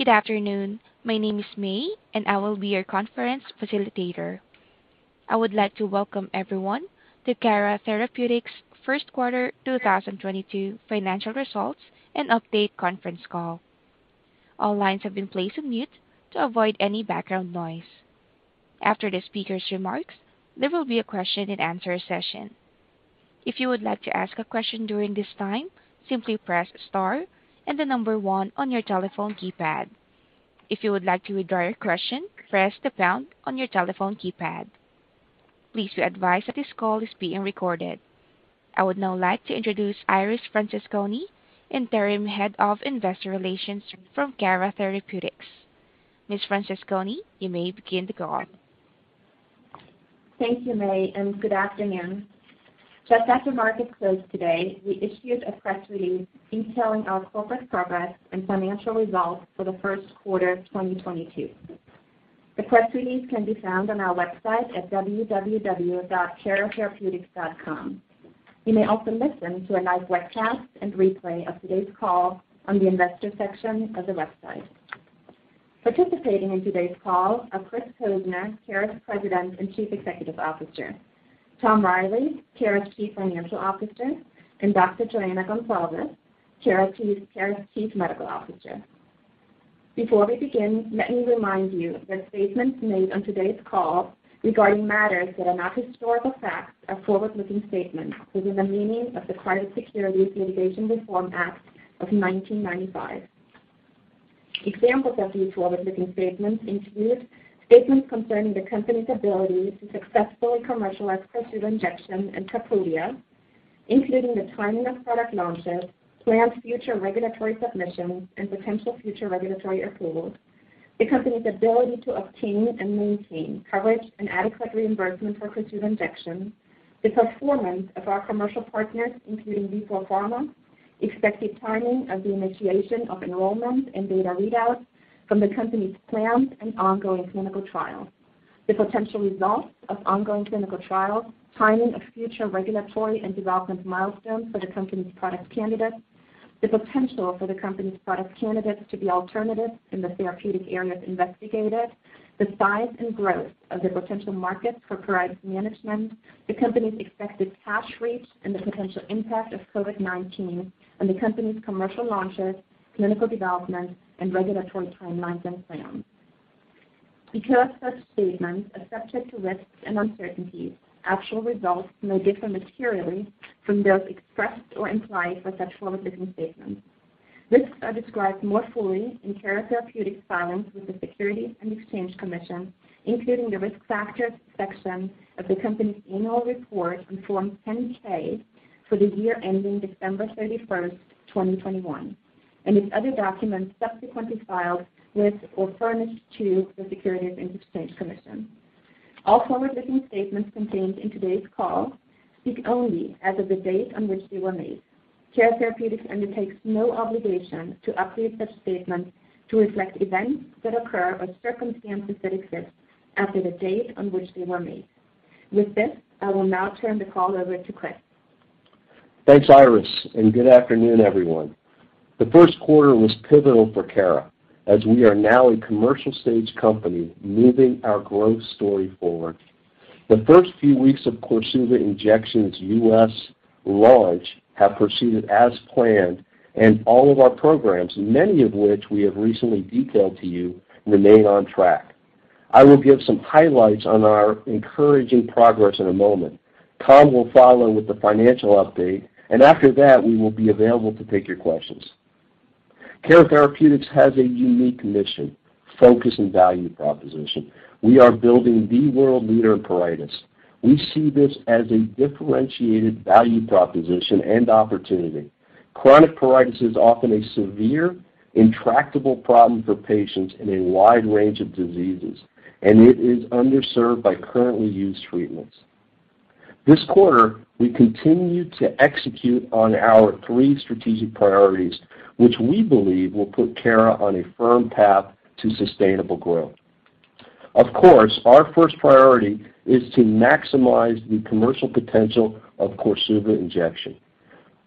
Good afternoon. My name is May, and I will be your conference facilitator. I would like to welcome everyone to Cara Therapeutics' first quarter 2022 financial results and update conference call. All lines have been placed on mute to avoid any background noise. After the speaker's remarks, there will be a question and answer session. If you would like to ask a question during this time, simply press star and 1 on your telephone keypad. If you would like to withdraw your question, press the pound on your telephone keypad. Please be advised that this call is being recorded. I would now like to introduce Iris Francesconi, Interim Head of Investor Relations from Cara Therapeutics. Ms. Francesconi, you may begin the call. Thank you, May, and good afternoon. Just after market close today, we issued a press release detailing our corporate progress and financial results for the first quarter of 2022. The press release can be found on our website at www.caratherapeutics.com. You may also listen to a live webcast and replay of today's call on the investor section of the website. Participating in today's call are Christopher Posner, Cara's President and Chief Executive Officer. Tom Reilly, Cara's Chief Financial Officer. And Dr. Joana Goncalves, Cara's Chief Medical Officer. Before we begin, let me remind you that statements made on today's call regarding matters that are not historical facts are forward-looking statements within the meaning of the Private Securities Litigation Reform Act of 1995. Examples of these forward-looking statements include statements concerning the company's ability to successfully commercialize KORSUVA Injection and Kapruvia, including the timing of product launches, planned future regulatory submissions and potential future regulatory approvals, the company's ability to obtain and maintain coverage and adequate reimbursement for KORSUVA Injection, the performance of our commercial partners, including Vifor Pharma, expected timing of the initiation of enrollment and data readouts from the company's planned and ongoing clinical trials, the potential results of ongoing clinical trials, timing of future regulatory and development milestones for the company's product candidates, the potential for the company's product candidates to be alternatives in the therapeutic areas investigated, the size and growth of the potential market for psoriasis management, the company's expected cash runway, and the potential impact of COVID-19 on the company's commercial launches, clinical development, and regulatory timelines and plans. Because such statements are subject to risks and uncertainties, actual results may differ materially from those expressed or implied by such forward-looking statements. Risks are described more fully in Cara Therapeutics' filings with the Securities and Exchange Commission, including the Risk Factors section of the company's annual report on Form 10-K for the year ending December 31, 2021, and in other documents subsequently filed with or furnished to the Securities and Exchange Commission. All forward-looking statements contained in today's call speak only as of the date on which they were made. Cara Therapeutics undertakes no obligation to update such statements to reflect events that occur or circumstances that exist after the date on which they were made. With this, I will now turn the call over to Chris. Thanks, Iris, and good afternoon, everyone. The first quarter was pivotal for Cara as we are now a commercial stage company moving our growth story forward. The first few weeks of KORSUVA Injection's U.S. launch have proceeded as planned, and all of our programs, many of which we have recently detailed to you, remain on track. I will give some highlights on our encouraging progress in a moment. Tom will follow with the financial update, and after that, we will be available to take your questions. Cara Therapeutics has a unique mission, focus, and value proposition. We are building the world leader in pruritus. We see this as a differentiated value proposition and opportunity. Chronic pruritus is often a severe, intractable problem for patients in a wide range of diseases, and it is underserved by currently used treatments. This quarter, we continued to execute on our three strategic priorities, which we believe will put Cara on a firm path to sustainable growth. Of course, our first priority is to maximize the commercial potential of KORSUVA Injection.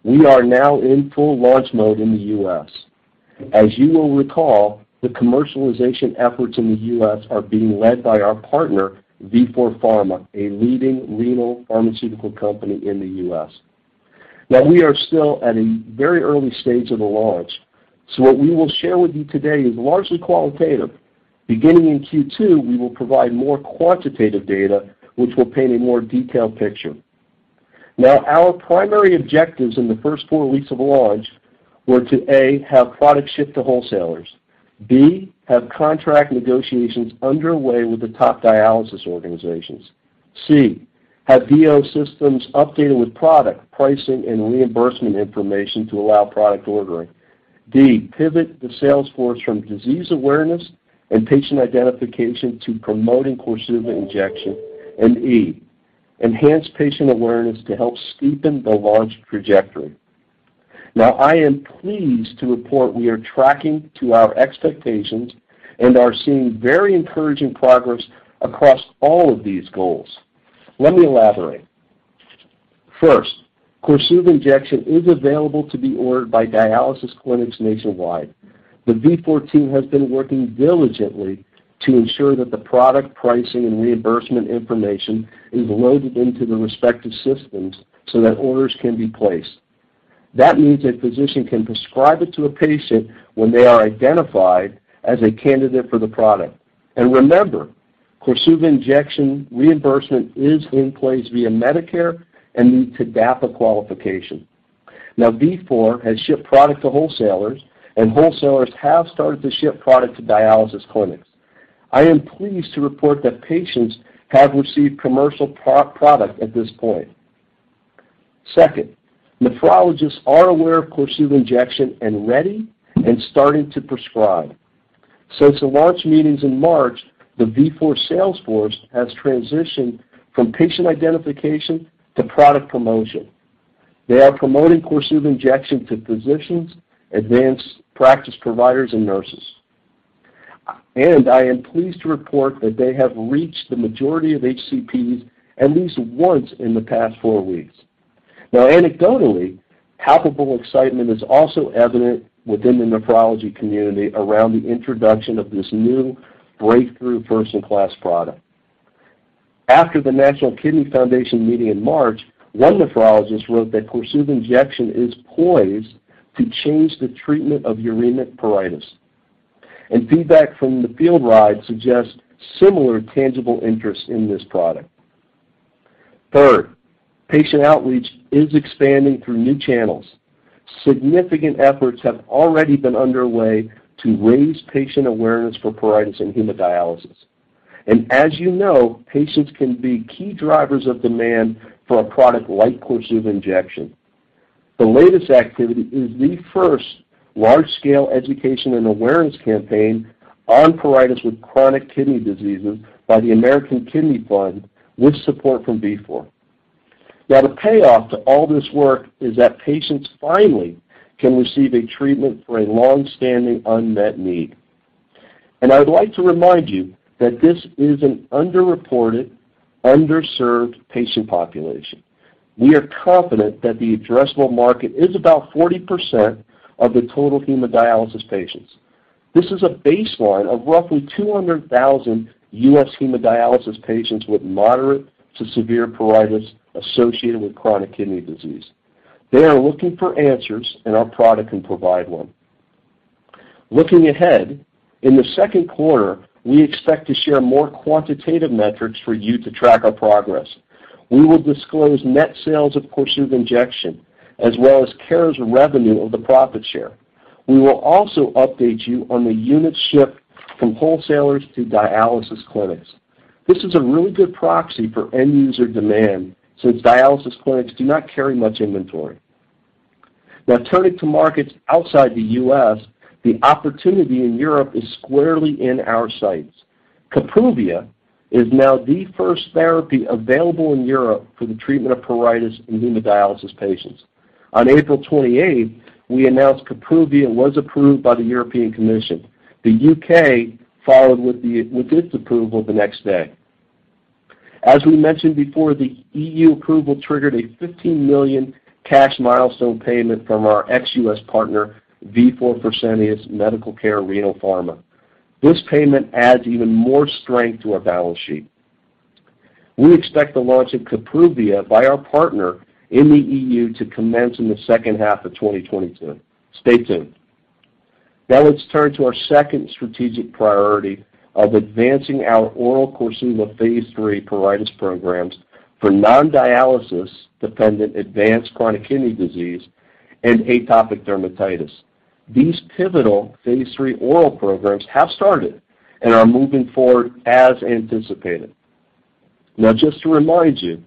We are now in full launch mode in the U.S. As you will recall, the commercialization efforts in the U.S. are being led by our partner, Vifor Pharma, a leading renal pharmaceutical company in the U.S. Now, we are still at a very early stage of the launch, so what we will share with you today is largely qualitative. Beginning in Q2, we will provide more quantitative data, which will paint a more detailed picture. Now, our primary objectives in the first four weeks of launch were to, A, have product shipped to wholesalers, B, have contract negotiations underway with the top dialysis organizations, C, have VO systems updated with product pricing and reimbursement information to allow product ordering, D, pivot the sales force from disease awareness and patient identification to promoting KORSUVA Injection, and E, enhance patient awareness to help steepen the launch trajectory. Now, I am pleased to report we are tracking to our expectations and are seeing very encouraging progress across all of these goals. Let me elaborate. First, KORSUVA Injection is available to be ordered by dialysis clinics nationwide. The Vifor team has been working diligently to ensure that the product pricing and reimbursement information is loaded into the respective systems so that orders can be placed. That means a physician can prescribe it to a patient when they are identified as a candidate for the product. Remember, KORSUVA Injection reimbursement is in place via Medicare and meet TDAPA qualification. Now, Vifor has shipped product to wholesalers, and wholesalers have started to ship product to dialysis clinics. I am pleased to report that patients have received commercial product at this point. Second, nephrologists are aware of KORSUVA Injection and ready and starting to prescribe. Since the launch meetings in March, the Vifor sales force has transitioned from patient identification to product promotion. They are promoting KORSUVA Injection to physicians, advanced practice providers, and nurses. I am pleased to report that they have reached the majority of HCPs at least once in the past four weeks. Now, anecdotally, palpable excitement is also evident within the nephrology community around the introduction of this new breakthrough first-in-class product. After the National Kidney Foundation meeting in March, one nephrologist wrote that KORSUVA Injection is poised to change the treatment of uremic pruritus. Feedback from the Field Ride suggests similar tangible interest in this product. Third, patient outreach is expanding through new channels. Significant efforts have already been underway to raise patient awareness for pruritus in hemodialysis. As you know, patients can be key drivers of demand for a product like KORSUVA Injection. The latest activity is the first large-scale education and awareness campaign on pruritus with chronic kidney diseases by the American Kidney Fund with support from Vifor. Now, the payoff to all this work is that patients finally can receive a treatment for a long-standing unmet need. I would like to remind you that this is an underreported, underserved patient population. We are confident that the addressable market is about 40% of the total hemodialysis patients. This is a baseline of roughly 200,000 U.S. hemodialysis patients with moderate to severe pruritus associated with chronic kidney disease. They are looking for answers, and our product can provide one. Looking ahead, in the second quarter, we expect to share more quantitative metrics for you to track our progress. We will disclose net sales of KORSUVA Injection, as well as Cara's revenue of the profit share. We will also update you on the units shipped from wholesalers to dialysis clinics. This is a really good proxy for end-user demand since dialysis clinics do not carry much inventory. Now turning to markets outside the U.S., the opportunity in Europe is squarely in our sights. Kapruvia is now the first therapy available in Europe for the treatment of pruritus in hemodialysis patients. On April 28th, we announced Kapruvia was approved by the European Commission. The U.K. followed with its approval the next day. As we mentioned before, the EU approval triggered a $15 million cash milestone payment from our ex-U.S. partner, Vifor Fresenius Medical Care Renal Pharma. This payment adds even more strength to our balance sheet. We expect the launch of Kapruvia by our partner in the EU to commence in the second half of 2022. Stay tuned. Now let's turn to our second strategic priority of advancing our oral KORSUVA Phase 3 pruritus programs for non-dialysis dependent advanced chronic kidney disease and atopic dermatitis. These pivotal Phase 3 oral programs have started and are moving forward as anticipated. Now just to remind you,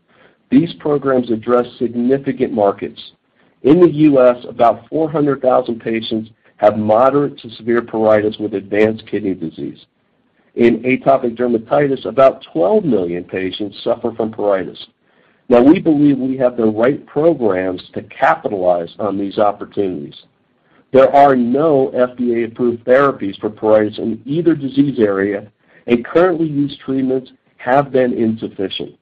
these programs address significant markets. In the U.S., about 400,000 patients have moderate to severe pruritus with advanced kidney disease. In atopic dermatitis, about 12 million patients suffer from pruritus. Now we believe we have the right programs to capitalize on these opportunities. There are no FDA-approved therapies for pruritus in either disease area, and currently used treatments have been insufficient.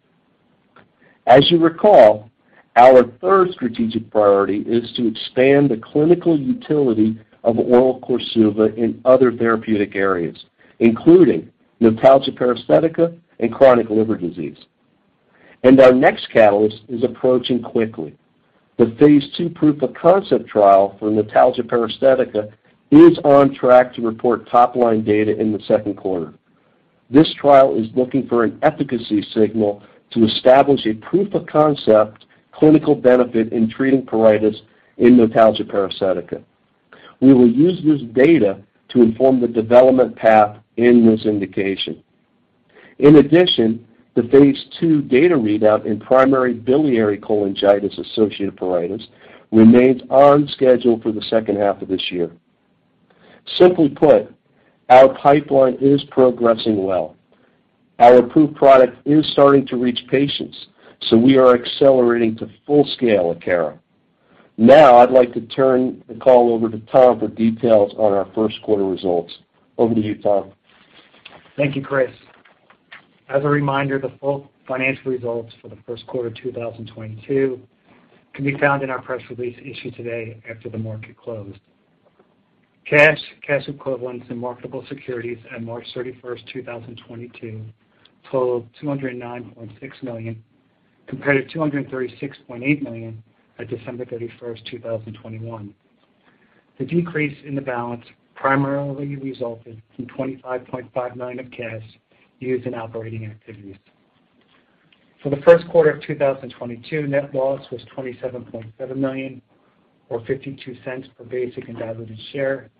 As you recall, our third strategic priority is to expand the clinical utility of oral KORSUVA in other therapeutic areas, including notalgia paresthetica and chronic liver disease. Our next catalyst is approaching quickly. The Phase 2 proof of concept trial for notalgia paresthetica is on track to report top-line data in the second quarter. This trial is looking for an efficacy signal to establish a proof of concept clinical benefit in treating pruritus in notalgia paresthetica. We will use this data to inform the development path in this indication. In addition, the Phase 2 data readout in primary biliary cholangitis-associated pruritus remains on schedule for the second half of this year. Simply put, our pipeline is progressing well. Our approved product is starting to reach patients, so we are accelerating to full scale at Cara. Now I'd like to turn the call over to Tom for details on our first quarter results. Over to you, Tom. Thank you, Chris. As a reminder, the full financial results for the first quarter 2022 can be found in our press release issued today after the market closed. Cash, cash equivalents, and marketable securities at March 31, 2022 totaled $209.6 million, compared to $236.8 million at December 31, 2021. The decrease in the balance primarily resulted from $25.59 million of cash used in operating activities. For the first quarter of 2022, net loss was $27.7 million, or $0.52 per basic and diluted share,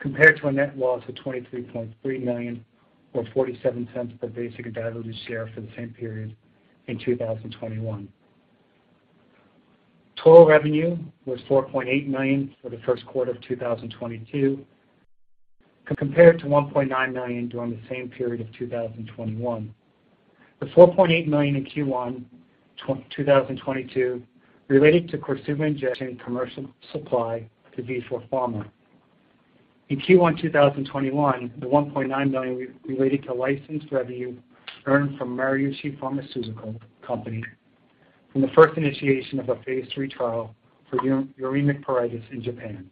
compared to a net loss of $23.3 million, or $0.47 per basic and diluted share for the same period in 2021. Total revenue was $4.8 million for the first quarter of 2022, compared to $1.9 million during the same period of 2021. The $4.8 million in Q1 2022 related to KORSUVA Injection commercial supply to Vifor Pharma. In Q1 2021, the $1.9 million related to license revenue earned from Maruishi Pharmaceutical Co., Ltd. from the first initiation of a phase 3 trial for uremic pruritus in Japan.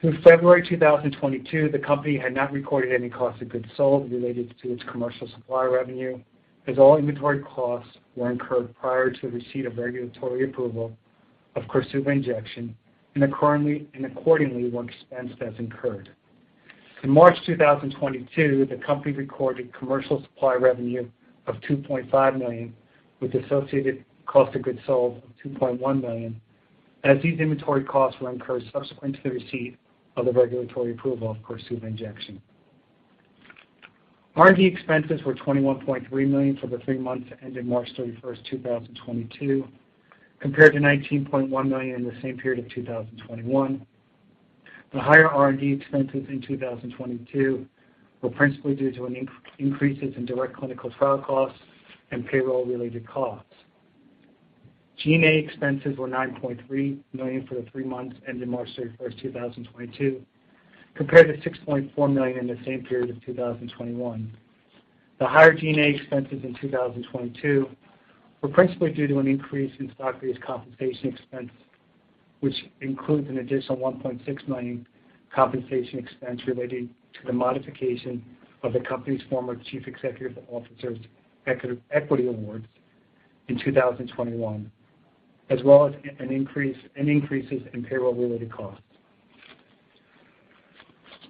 Through February 2022, the company had not recorded any cost of goods sold related to its commercial supply revenue, as all inventory costs were incurred prior to the receipt of regulatory approval of KORSUVA Injection and accordingly were expensed as incurred. In March 2022, the company recorded commercial supply revenue of $2.5 million, with associated cost of goods sold of $2.1 million, as these inventory costs were incurred subsequent to the receipt of the regulatory approval of KORSUVA Injection. R&D expenses were $21.3 million for the three months that ended March 31, 2022, compared to $19.1 million in the same period of 2021. The higher R&D expenses in 2022 were principally due to increases in direct clinical trial costs and payroll-related costs. G&A expenses were $9.3 million for the three months ending March 31, 2022, compared to $6.4 million in the same period of 2021. The higher G&A expenses in 2022 were principally due to an increase in stock-based compensation expense, which includes an additional $1.6 million compensation expense related to the modification of the company's former chief executive officer's equity awards in 2021, as well as increases in payroll-related costs.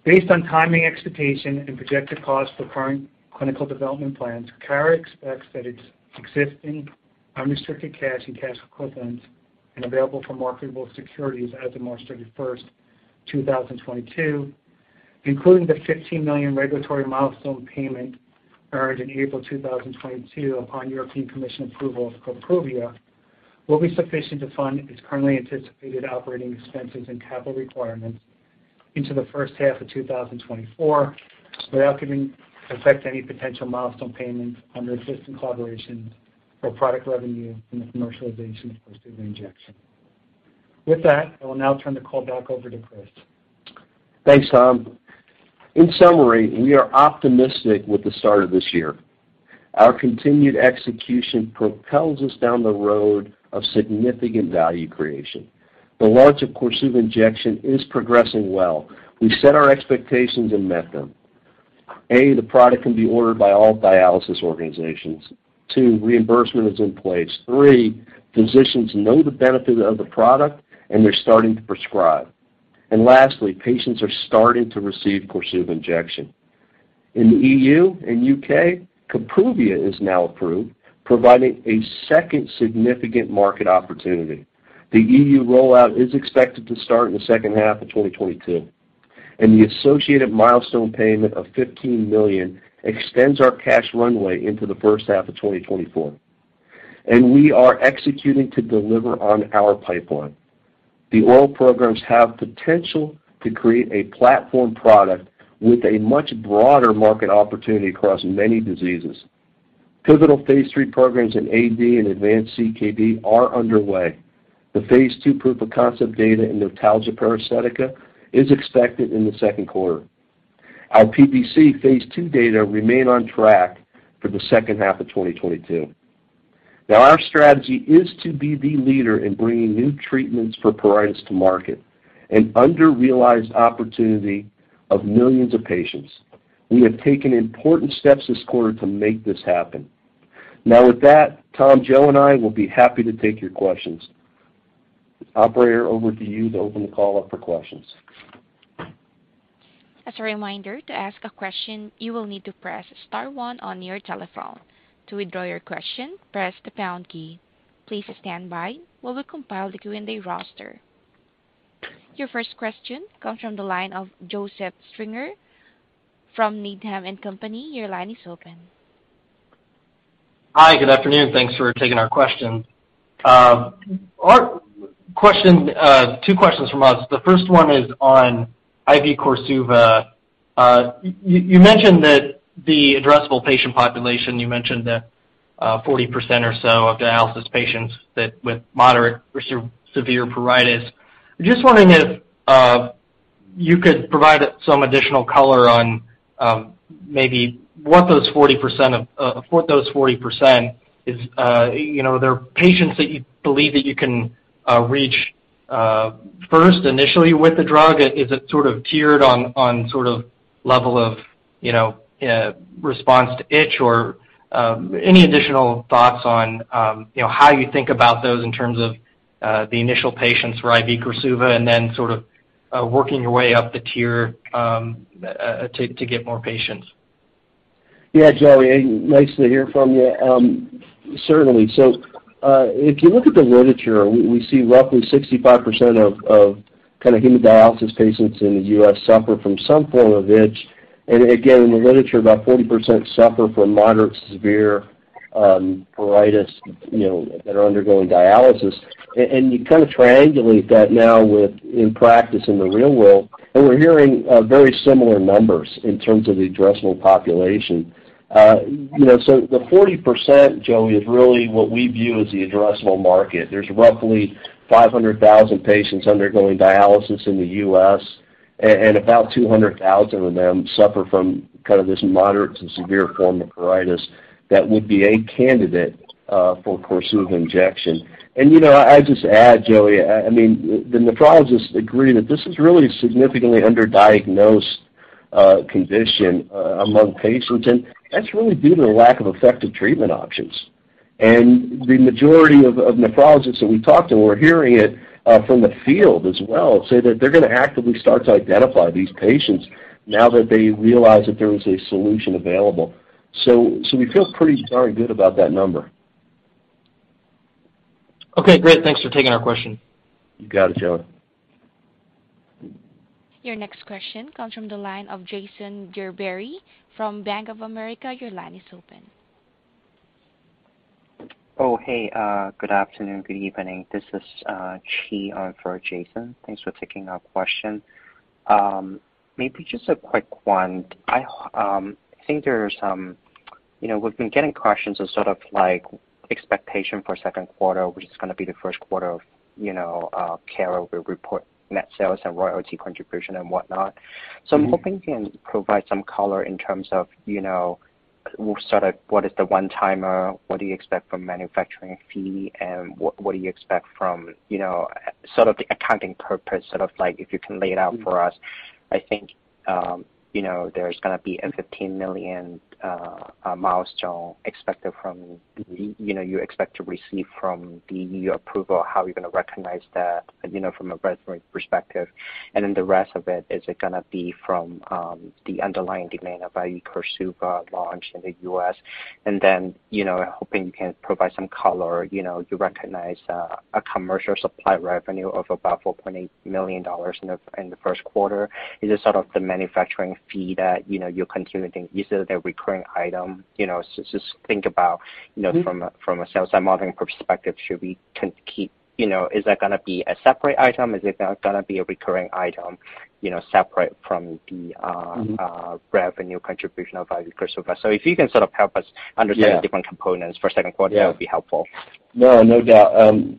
Based on timing expectations and projected costs for current clinical development plans, Cara expects that its existing unrestricted cash and cash equivalents and available-for-sale marketable securities as of March 31, 2022, including the $15 million regulatory milestone payment earned in April 2022 upon European Commission approval of Kapruvia, will be sufficient to fund its currently anticipated operating expenses and capital requirements into the first half of 2024 without affecting any potential milestone payments under existing collaborations or product revenue from the commercialization of KORSUVA Injection. With that, I will now turn the call back over to Chris. Thanks, Tom. In summary, we are optimistic with the start of this year. Our continued execution propels us down the road of significant value creation. The launch of KORSUVA Injection is progressing well. We set our expectations and met them. One, the product can be ordered by all dialysis organizations. Two, reimbursement is in place. Three, physicians know the benefit of the product, and they're starting to prescribe. And lastly, patients are starting to receive KORSUVA Injection. In the EU and U.K., Kapruvia is now approved, providing a second significant market opportunity. The EU rollout is expected to start in the second half of 2022, and the associated milestone payment of $15 million extends our cash runway into the first half of 2024. We are executing to deliver on our pipeline. The oral programs have potential to create a platform product with a much broader market opportunity across many diseases. Pivotal phase 3 programs in AD and advanced CKD are underway. The phase 2 proof of concept data in notalgia paresthetica is expected in the second quarter. Our PBC phase 2 data remain on track for the second half of 2022. Our strategy is to be the leader in bringing new treatments for pruritus to market, an under-realized opportunity of millions of patients. We have taken important steps this quarter to make this happen. With that, Tom, Jo and I will be happy to take your questions. Operator, over to you to open the call up for questions. As a reminder, to ask a question, you will need to press star one on your telephone. To withdraw your question, press the pound key. Please stand by while we compile the Q&A roster. Your first question comes from the line of Joseph Stringer from Needham & Company. Your line is open. Hi. Good afternoon. Thanks for taking our question. 2 questions from us. The first one is on IV KORSUVA. You mentioned that the addressable patient population, 40% or so of dialysis patients with moderate or severe pruritus. I'm just wondering if you could provide some additional color on maybe what those 40% is. You know, there are patients that you believe that you can reach first initially with the drug. Is it sort of tiered on sort of level of, you know, response to itch or any additional thoughts on, you know, how you think about those in terms of the initial patients for IV KORSUVA and then sort of working your way up the tier to get more patients? Yeah, Joe, nice to hear from you. Certainly. If you look at the literature, we see roughly 65% of kinda hemodialysis patients in the U.S. suffer from some form of itch. Again, in the literature, about 40% suffer from moderate to severe pruritus, you know, that are undergoing dialysis. You kind of triangulate that now with in practice in the real world, and we're hearing very similar numbers in terms of the addressable population. You know, so the 40%, Joe, is really what we view as the addressable market. There's roughly 500,000 patients undergoing dialysis in the U.S., and about 200,000 of them suffer from kind of this moderate to severe form of pruritus that would be a candidate for KORSUVA injection. You know, I just add, Joe, I mean, the nephrologists agree that this is really a significantly underdiagnosed condition among patients, and that's really due to the lack of effective treatment options. The majority of nephrologists that we talked to, we're hearing it from the field as well, say that they're gonna actively start to identify these patients now that they realize that there is a solution available. We feel pretty darn good about that number. Okay, great. Thanks for taking our question. You got it, Joe. Your next question comes from the line of Jason Gerberry from Bank of America. Your line is open. Oh, hey, good afternoon, good evening. This is Chi in for Jason. Thanks for taking our question. Maybe just a quick one. I think there's some. You know, we've been getting questions of sort of like expectation for second quarter, which is gonna be the first quarter of, you know, Cara will report net sales and royalty contribution and whatnot. Mm-hmm. I'm hoping you can provide some color in terms of, you know, sort of what is the one-timer, what do you expect from manufacturing fee and what do you expect from, you know, sort of the accounting purpose, sort of like if you can lay it out for us. I think, you know, there's gonna be a $15 million milestone expected from the EU approval, you know, you expect to receive from the EU approval, how you're gonna recognize that, you know, from a revenue perspective. Then the rest of it, is it gonna be from the underlying demand of IV KORSUVA launch in the U.S.? Then, you know, hoping you can provide some color. You know, you recognize a commercial supply revenue of about $4.8 million in the first quarter. Is this sort of the manufacturing fee that, you know, you're continuing to use as a recurring item? You know, just think about, you know. Mm-hmm. From a sales and modeling perspective, you know, is that gonna be a separate item? Is it gonna be a recurring item, you know, separate from the Mm-hmm. revenue contribution of IV KORSUVA? If you can sort of help us understand- Yeah. the different components for second quarter Yeah. That would be helpful. No doubt.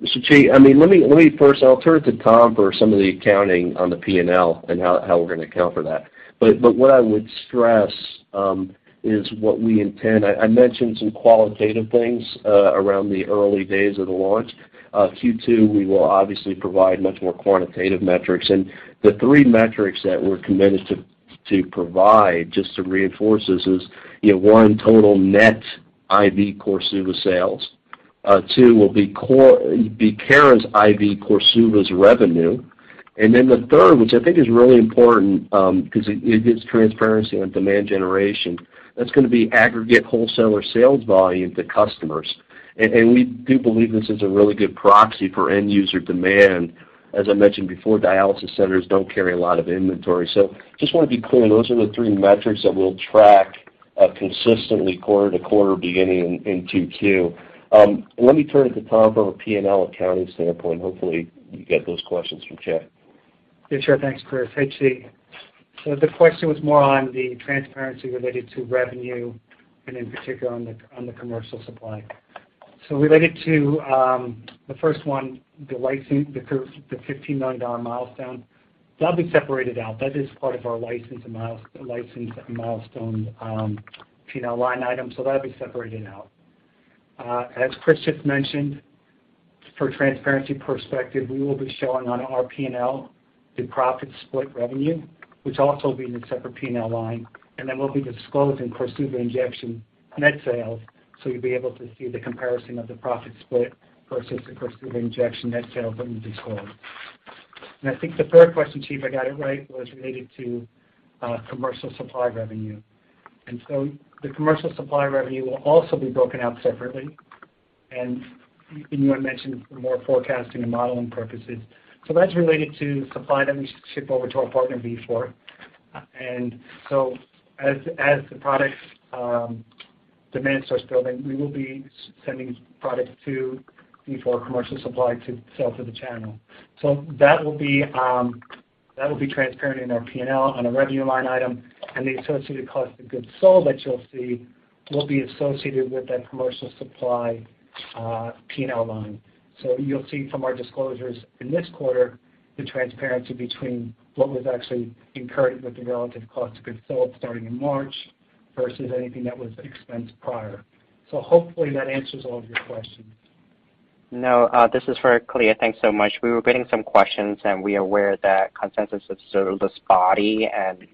So Chi, I mean, let me first I'll turn it to Tom for some of the accounting on the P&L and how we're gonna account for that. But what I would stress is what we intend. I mentioned some qualitative things around the early days of the launch. Q2, we will obviously provide much more quantitative metrics. The three metrics that we're committed to provide, just to reinforce this is, you know, one, total net IV KORSUVA sales. Two will be Cara's IV KORSUVA's revenue. The third, which I think is really important, 'cause it gives transparency on demand generation, that's gonna be aggregate wholesaler sales volume to customers. We do believe this is a really good proxy for end user demand. As I mentioned before, dialysis centers don't carry a lot of inventory. Just wanna be clear, those are the three metrics that we'll track consistently quarter to quarter beginning in 2Q. Let me turn it to Tom from a P&L accounting standpoint. Hopefully, you get those questions from Chi. Yeah, sure. Thanks, Chris. Hey, Chi. The question was more on the transparency related to revenue and in particular on the commercial supply. Related to the first one, the $15 million milestone, that'll be separated out. That is part of our license and milestone P&L line item, so that'll be separated out. As Chris just mentioned, from a transparency perspective, we will be showing on our P&L the profit split revenue, which also will be in a separate P&L line, and then we'll be disclosing KORSUVA Injection net sales, so you'll be able to see the comparison of the profit split versus the KORSUVA Injection net sales that we disclosed. I think the third question, Chi, if I got it right, was related to commercial supply revenue. The commercial supply revenue will also be broken out separately. You had mentioned more forecasting and modeling purposes. That's related to supply that we ship over to our partner Vifor. As the product demand starts building, we will be sending product to Vifor commercial supply to sell to the channel. That will be transparent in our P&L on a revenue line item, and the associated cost of goods sold that you'll see will be associated with that commercial supply P&L line. You'll see from our disclosures in this quarter the transparency between what was actually incurred with the relative cost of goods sold starting in March versus anything that was expensed prior. Hopefully that answers all of your questions. No, this is very clear. Thanks so much. We were getting some questions, and we are aware that consensus is still this spotty and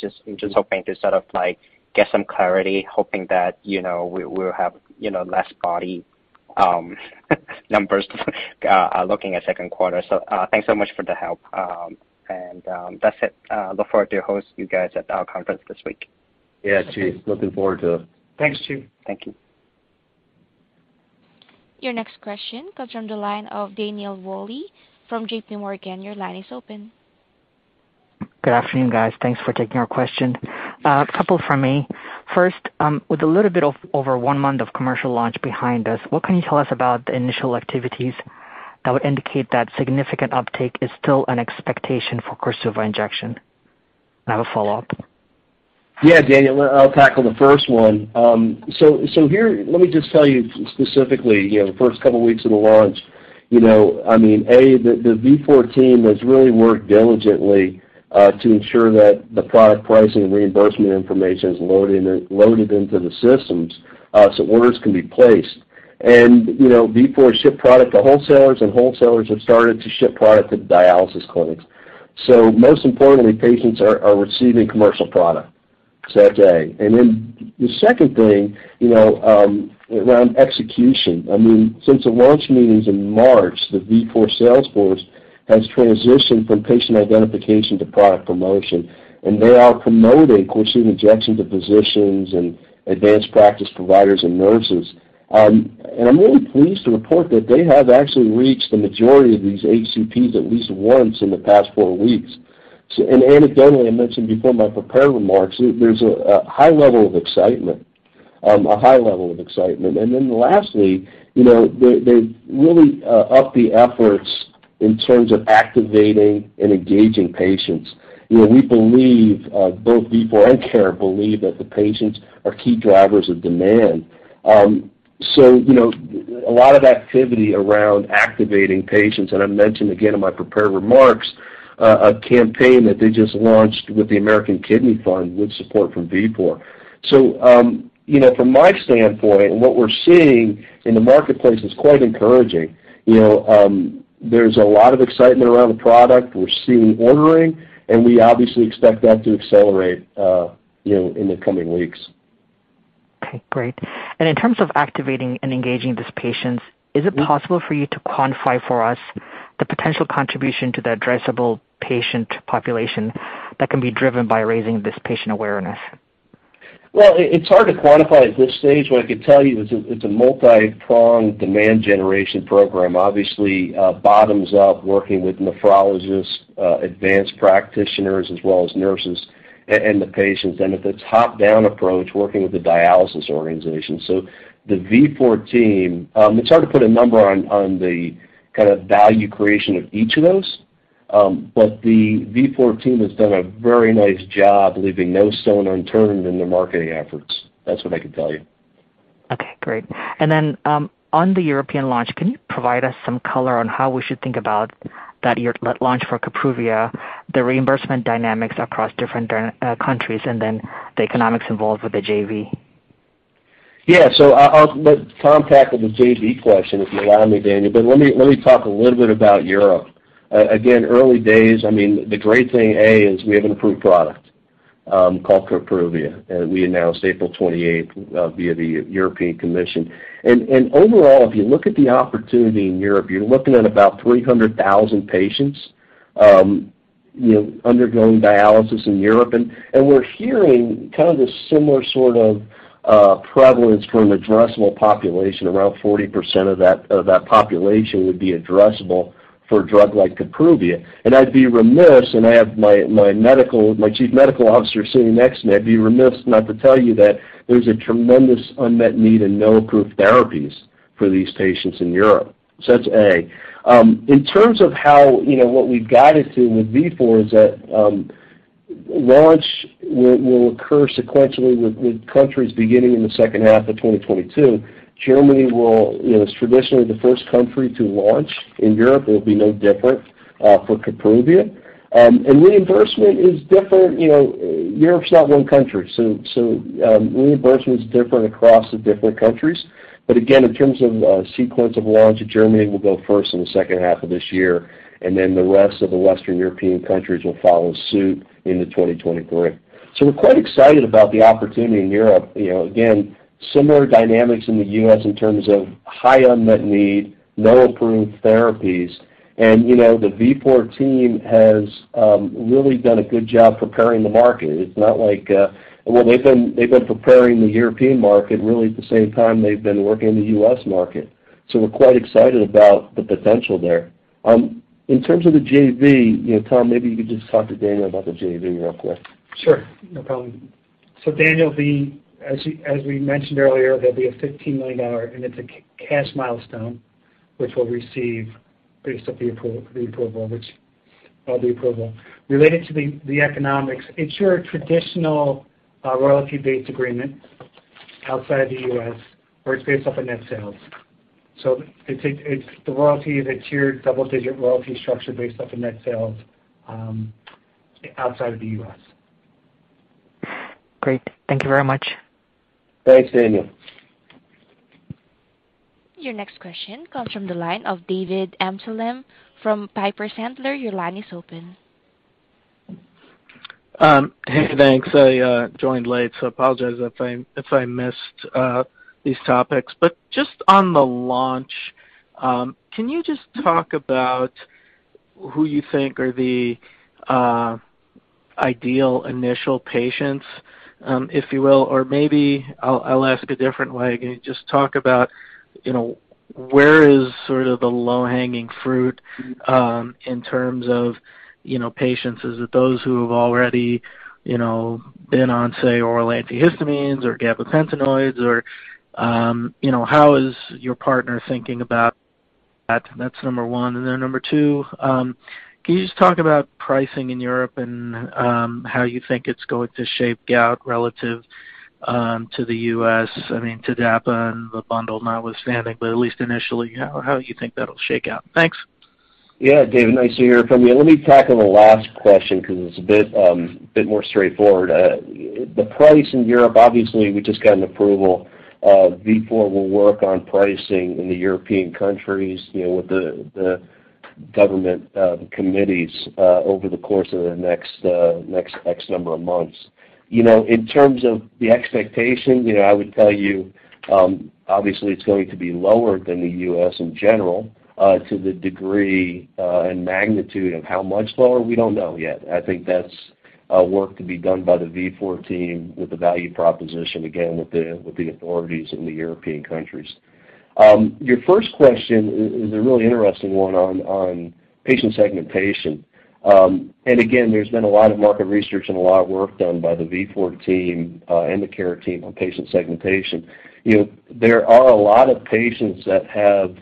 just hoping to sort of like get some clarity, hoping that, you know, we'll have, you know, less spotty numbers looking at second quarter. Thanks so much for the help. That's it. Look forward to host you guys at our conference this week. Yeah, Chi. Looking forward to it. Thanks, team. Thank you. Your next question comes from the line of Daniel Wolle from J.P. Morgan. Your line is open. Good afternoon, guys. Thanks for taking our question. A couple from me. First, with a little over one month of commercial launch behind us, what can you tell us about the initial activities that would indicate that significant uptake is still an expectation for KORSUVA injection? I have a follow-up. Yeah, Daniel, I'll tackle the first one. So here, let me just tell you specifically, you know, the first couple weeks of the launch, you know, I mean, the Vifor team has really worked diligently to ensure that the product pricing and reimbursement information is loaded into the systems, so orders can be placed. You know, Vifor shipped product to wholesalers, and wholesalers have started to ship product to dialysis clinics. Most importantly, patients are receiving commercial product that day. Then the second thing, you know, around execution, I mean, since the launch meetings in March, the Vifor sales force has transitioned from patient identification to product promotion, and they are promoting KORSUVA injection to physicians and advanced practice providers and nurses. I'm really pleased to report that they have actually reached the majority of these HCPs at least once in the past four weeks. Anecdotally, I mentioned before in my prepared remarks, there's a high level of excitement. Lastly, you know, they really upped the efforts in terms of activating and engaging patients. You know, we believe both Vifor and Cara believe that the patients are key drivers of demand. You know, a lot of activity around activating patients, and I mentioned again in my prepared remarks, a campaign that they just launched with the American Kidney Fund with support from Vifor. You know, from my standpoint, what we're seeing in the marketplace is quite encouraging. You know, there's a lot of excitement around the product. We're seeing ordering, and we obviously expect that to accelerate, you know, in the coming weeks. Okay, great. In terms of activating and engaging these patients, is it possible for you to quantify for us the potential contribution to the addressable patient population that can be driven by raising this patient awareness? Well, it's hard to quantify at this stage. What I could tell you is it's a multi-pronged demand generation program, obviously, bottoms up working with nephrologists, advanced practitioners, as well as nurses and the patients, and a top-down approach, working with the dialysis organization. It's hard to put a number on the kind of value creation of each of those, but the Vifor team has done a very nice job leaving no stone unturned in their marketing efforts. That's what I can tell you. Okay, great. On the European launch, can you provide us some color on how we should think about that year launch for Kapruvia, the reimbursement dynamics across different countries, and the economics involved with the JV? Yeah. I'll let Tom tackle the JV question, if you allow me, Daniel, but let me talk a little bit about Europe. Again, early days, I mean, the great thing, A, is we have an approved product called Kapruvia, and we announced April twenty-eighth via the European Commission. Overall, if you look at the opportunity in Europe, you're looking at about 300,000 patients, you know, undergoing dialysis in Europe. We're hearing kind of this similar sort of prevalence from addressable population. Around 40% of that population would be addressable for a drug like Kapruvia. I have my Chief Medical Officer sitting next to me. I'd be remiss not to tell you that there's a tremendous unmet need and no approved therapies for these patients in Europe. That's A. In terms of how what we've guided to with Vifor is that launch will occur sequentially with countries beginning in the second half of 2022. Germany is traditionally the first country to launch in Europe. It will be no different for Kapruvia. Reimbursement is different. Europe's not one country, so reimbursement is different across the different countries. Again, in terms of sequence of launch, Germany will go first in the second half of this year, and then the rest of the Western European countries will follow suit into 2023. We're quite excited about the opportunity in Europe. You know, again, similar dynamics in the U.S. in terms of high unmet need, no approved therapies. You know, the Vifor team has really done a good job preparing the market. It's not like they've been preparing the European market really at the same time they've been working in the U.S. market. We're quite excited about the potential there. In terms of the JV, you know, Tom, maybe you could just talk to Daniel about the JV real quick. Sure. No problem. Daniel, as we mentioned earlier, there'll be a $15 million, and it's a cash milestone. Which we'll receive based off the approval of the approval. Related to the economics, it's your traditional royalty-based agreement outside the U.S. where it's based off the net sales. It's the tiered double-digit royalty structure based off the net sales outside of the U.S. Great. Thank you very much. Thanks, Daniel. Your next question comes from the line of David Amsellem from Piper Sandler. Your line is open. Hey, thanks. I joined late, so apologize if I missed these topics. Just on the launch, can you just talk about who you think are the ideal initial patients, if you will? Or maybe I'll ask a different way. Can you just talk about, you know, where is sort of the low-hanging fruit in terms of, you know, patients? Is it those who have already, you know, been on, say, oral antihistamines or gabapentinoids? Or, you know, how is your partner thinking about that? That's number one. Then number two, can you just talk about pricing in Europe and, how you think it's going to shape out relative to the U.S., I mean, to TDAPA and the bundle notwithstanding, but at least initially, how you think that'll shake out? Thanks. Yeah. David, nice to hear from you. Let me tackle the last question 'cause it's a bit more straightforward. The price in Europe, obviously, we just got an approval. Vifor will work on pricing in the European countries, you know, with the government committees over the course of the next X number of months. You know, in terms of the expectation, you know, I would tell you, obviously it's going to be lower than the U.S. in general. To the degree and magnitude of how much lower, we don't know yet. I think that's work to be done by the Vifor team with the value proposition, again, with the authorities in the European countries. Your first question is a really interesting one on patient segmentation. Again, there's been a lot of market research and a lot of work done by the Vifor team and the Cara team on patient segmentation. You know, there are a lot of patients that have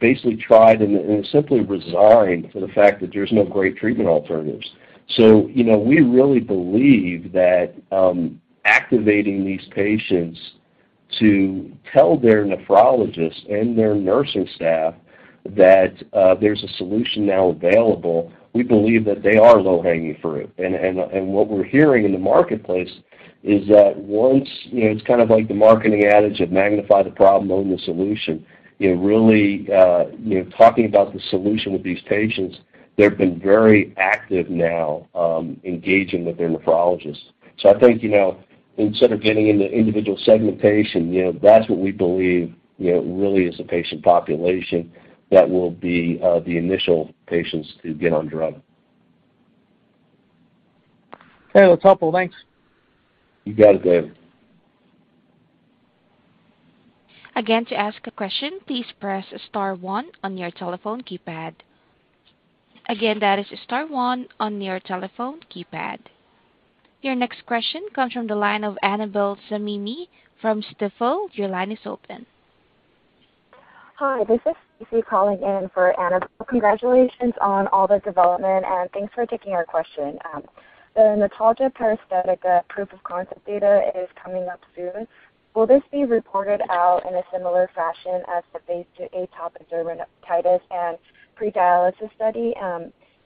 basically tried and simply resigned to the fact that there's no great treatment alternatives. You know, we really believe that activating these patients to tell their nephrologists and their nursing staff that there's a solution now available, we believe that they are low-hanging fruit. What we're hearing in the marketplace is that once you know, it's kind of like the marketing adage of magnify the problem, own the solution. You know, really you know, talking about the solution with these patients, they've been very active now engaging with their nephrologists. I think, you know, instead of getting into individual segmentation, you know, that's what we believe, you know, really is the patient population that will be the initial patients to get on drug. Okay. That's helpful. Thanks. You got it, David. Again, to ask a question, please press star one on your telephone keypad. Again, that is star one on your telephone keypad. Your next question comes from the line of Annabel Samimy from Stifel. Your line is open. Hi. This is Stacy calling in for Annabel Samimy. Congratulations on all the development, and thanks for taking our question. The notalgia paresthetica proof of concept data is coming up soon. Will this be reported out in a similar fashion as the Phase 2 atopic dermatitis and pre-dialysis study?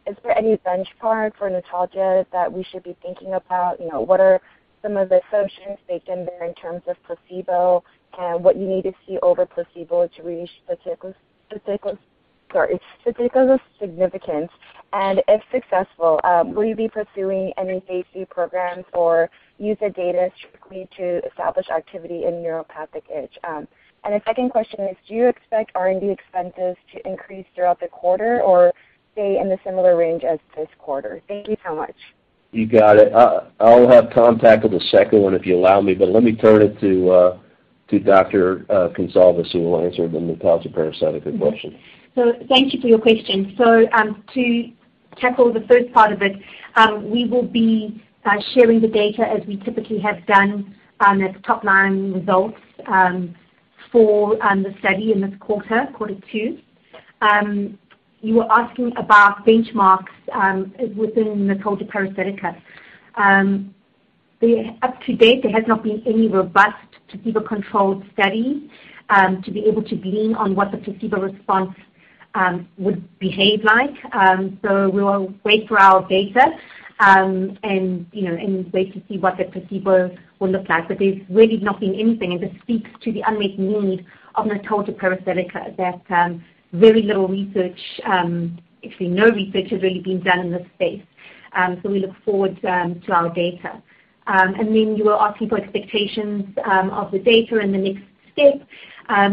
Is there any benchmark for notalgia that we should be thinking about? You know, what are some of the assumptions baked in there in terms of placebo and what you need to see over placebo to reach particular, sorry, statistical significance? If successful, will you be pursuing any Phase 3 programs or use the data strictly to establish activity in neuropathic itch? The second question is, do you expect R&D expenses to increase throughout the quarter or stay in the similar range as this quarter? Thank you so much. You got it. I'll have Tom tackle the second one if you allow me, but let me turn it to Dr. Goncalves, who will answer the notalgia paresthetica question. Thank you for your question. To tackle the first part of it, we will be sharing the data as we typically have done, as top-line results for the study in this quarter two. You were asking about benchmarks within notalgia paresthetica. Up-to-date, there has not been any robust placebo-controlled study to be able to glean on what the placebo response would behave like. We will wait for our data, and you know, and wait to see what the placebo will look like. But there's really not been anything, and this speaks to the unmet need of notalgia paresthetica that very little research, actually no research has really been done in this space. We look forward to our data. You were asking for expectations of the data and the next step.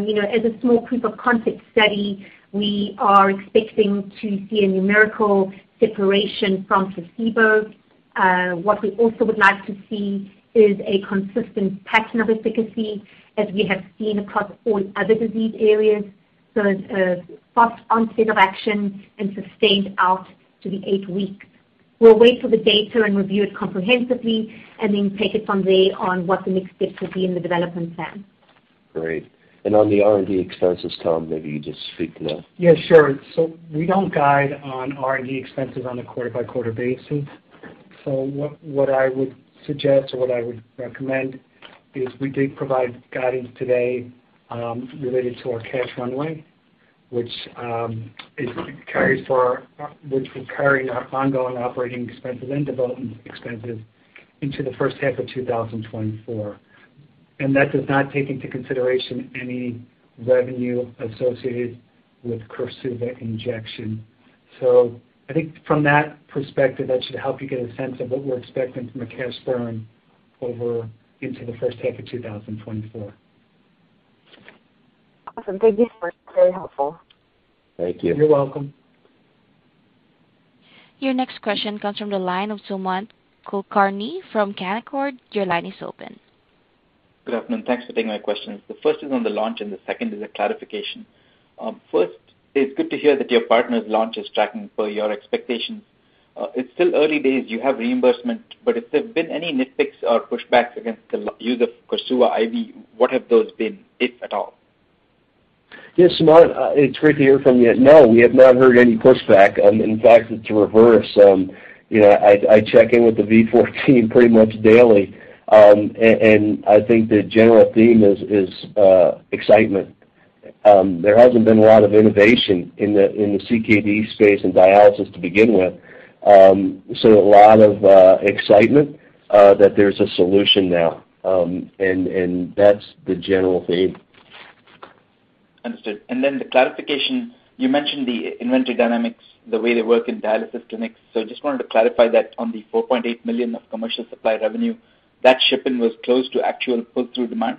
You know, as a small proof-of-concept study, we are expecting to see a numerical separation from placebo. What we also would like to see is a consistent pattern of efficacy as we have seen across all other disease areas, so a fast onset of action and sustained out to the 8-week. We'll wait for the data and review it comprehensively and then take it from there on what the next steps will be in the development plan. Great. On the R&D expenses, Tom, maybe you just speak now. Yeah, sure. We don't guide on R&D expenses on a quarter by quarter basis. What I would suggest or what I would recommend is we did provide guidance today, related to our cash runway, which will carry our ongoing operating expenses and development expenses into the first half of 2024. That does not take into consideration any revenue associated with KORSUVA injection. I think from that perspective, that should help you get a sense of what we're expecting from a cash burn over into the first half of 2024. Awesome. Thank you. That was very helpful. Thank you. You're welcome. Your next question comes from the line of Sumant Kulkarni from Canaccord. Your line is open. Good afternoon. Thanks for taking my questions. The first is on the launch, and the second is a clarification. First, it's good to hear that your partner's launch is tracking per your expectations. It's still early days, you have reimbursement, but if there have been any nitpicks or pushbacks against the use of KORSUVA IV, what have those been, if at all? Yes, Sumant, it's great to hear from you. No, we have not heard any pushback. In fact, it's the reverse. You know, I check in with the Vifor team pretty much daily. And I think the general theme is excitement. There hasn't been a lot of innovation in the CKD space and dialysis to begin with. So a lot of excitement that there's a solution now. And that's the general theme. Understood. The clarification, you mentioned the inventory dynamics, the way they work in dialysis clinics. Just wanted to clarify that on the $4.8 million of commercial supply revenue, that shipment was close to actual pull-through demand?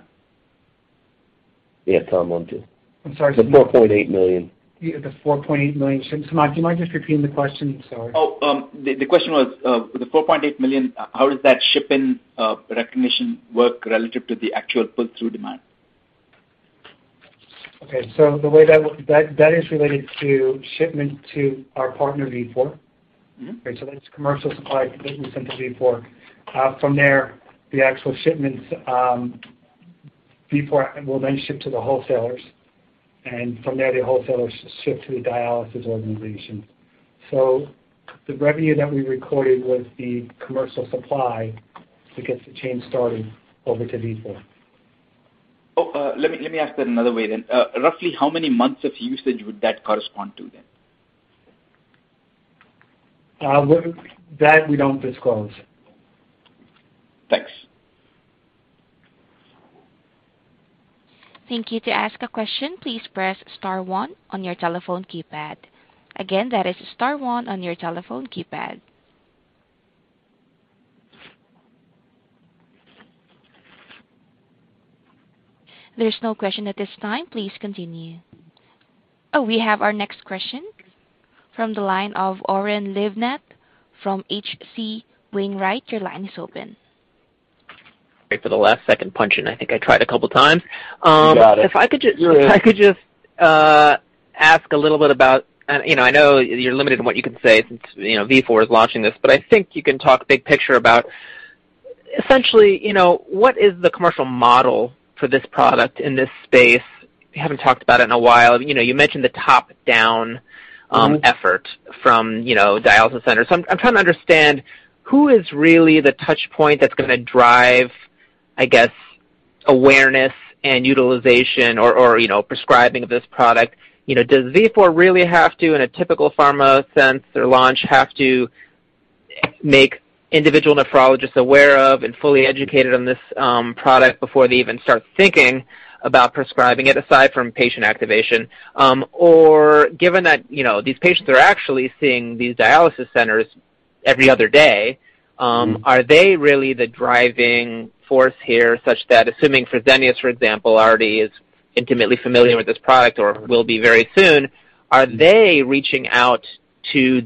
Yeah. Tom, why don't you. I'm sorry. The $4.8 million. $4.8 million. Sumant, do you mind just repeating the question? Sorry. The question was, the $4.8 million, how does that shipment recognition work relative to the actual pull-through demand? That is related to shipment to our partner, Vifor. Mm-hmm. Okay, that's commercial supply that we sent to Vifor. From there, the actual shipments, Vifor will then ship to the wholesalers. From there, the wholesalers ship to the dialysis organizations. The revenue that we recorded was the commercial supply to get the chain started over to Vifor. Let me ask that another way then. Roughly how many months of usage would that correspond to then? That we don't disclose. Thanks. Thank you. To ask a question, please press star one on your telephone keypad. Again, that is star one on your telephone keypad. There's no question at this time. Please continue. Oh, we have our next question from the line of Oren Livnat from H.C. Wainwright. Your line is open. Great for the last second punch in. I think I tried a couple times. You got it. Um, if I could just- Yeah. If I could just ask a little bit about. You know, I know you're limited in what you can say since, you know, Vifor is launching this. I think you can talk big picture about essentially, you know, what is the commercial model for this product in this space? You haven't talked about it in a while. You know, you mentioned the top-down effort from, you know, dialysis centers. I'm trying to understand who is really the touch point that's gonna drive, I guess, awareness and utilization or, you know, prescribing of this product. You know, does Vifor really have to, in a typical pharma sense or launch, have to make individual nephrologists aware of and fully educated on this product before they even start thinking about prescribing it, aside from patient activation? Given that, you know, these patients are actually seeing these dialysis centers every other day, are they really the driving force here such that assuming Fresenius, for example, already is intimately familiar with this product or will be very soon, are they reaching out to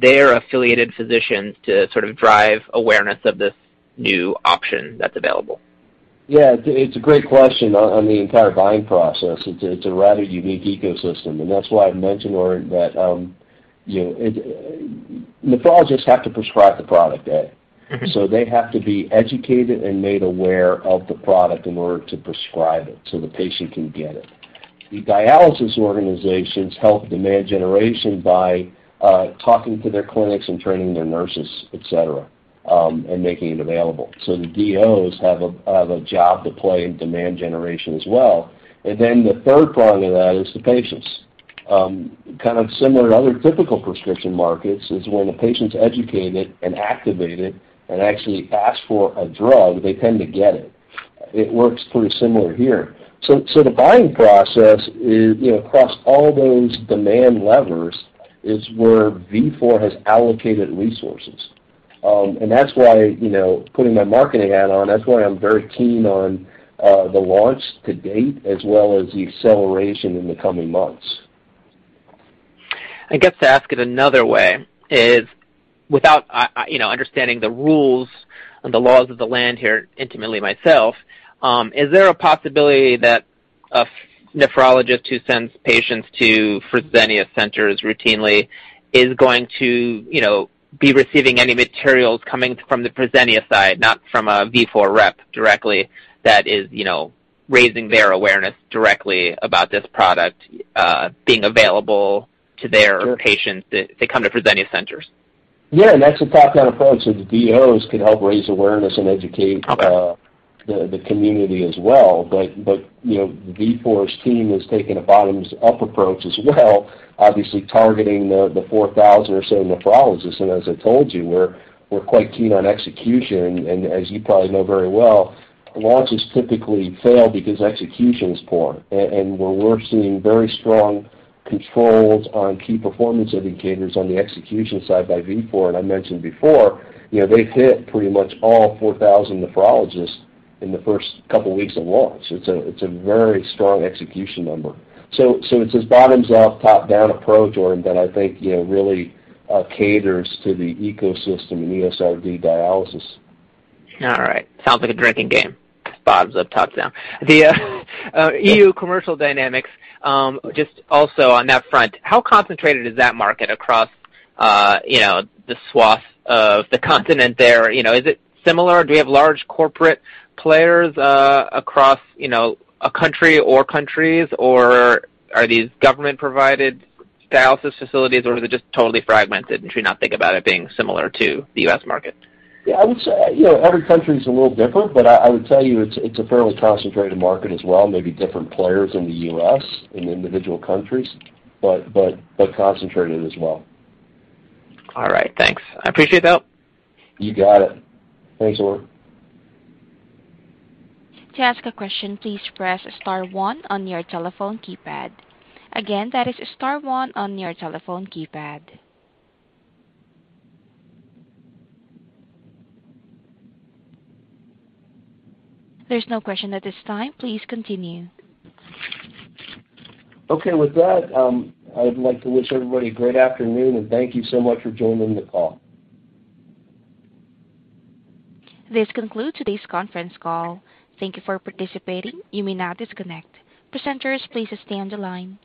their affiliated physicians to sort of drive awareness of this new option that's available? Yeah, it's a great question on the entire buying process. It's a rather unique ecosystem, and that's why I mentioned, Oren, that you know nephrologists have to prescribe the product, Oren. Mm-hmm. They have to be educated and made aware of the product in order to prescribe it so the patient can get it. The dialysis organizations help demand generation by talking to their clinics and training their nurses, etc., and making it available. The DOs have a job to play in demand generation as well. The third prong of that is the patients. Kind of similar to other typical prescription markets is when the patient's educated and activated and actually ask for a drug, they tend to get it. It works pretty similar here. The buying process is, you know, across all those demand levers is where Vifor has allocated resources. That's why, you know, putting my marketing hat on, that's why I'm very keen on the launch to date as well as the acceleration in the coming months. I guess to ask it another way is without you know understanding the rules and the laws of the land here intimately myself is there a possibility that a nephrologist who sends patients to Fresenius centers routinely is going to you know be receiving any materials coming from the Fresenius side not from a Vifor rep directly that is you know raising their awareness directly about this product being available to their patients that come to Fresenius centers. Yeah. That's a top-down approach. The DOs could help raise awareness and educate. Okay. the community as well. You know, Vifor's team has taken a bottoms-up approach as well, obviously targeting the 4,000 or so nephrologists. As I told you, we're quite keen on execution. As you probably know very well, launches typically fail because execution is poor. We're seeing very strong controls on key performance indicators on the execution side by Vifor. I mentioned before, you know, they've hit pretty much all 4,000 nephrologists in the first couple weeks of launch. It's a very strong execution number. It's this bottoms-up, top-down approach, Oren, that I think, you know, really caters to the ecosystem in ESRD dialysis. All right. Sounds like a drinking game, bottoms up, tops down. The EU commercial dynamics, just also on that front, how concentrated is that market across, you know, the swath of the continent there? You know, is it similar? Do you have large corporate players, across, you know, a country or countries, or are these government-provided dialysis facilities, or is it just totally fragmented and should not think about it being similar to the U.S. market? Yeah, I would say, you know, every country is a little different, but I would tell you it's a fairly concentrated market as well. Maybe different players in the U.S. in individual countries, but concentrated as well. All right. Thanks. I appreciate that. You got it. Thanks, Oren. To ask a question, please press star one on your telephone keypad. Again, that is star one on your telephone keypad. There's no question at this time. Please continue. Okay. With that, I would like to wish everybody a great afternoon, and thank you so much for joining the call. This concludes today's conference call. Thank you for participating. You may now disconnect. Presenters, please stay on the line.